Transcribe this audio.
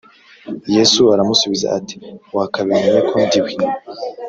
Yesu aramusubiza ati Wakabimenye ko ndi we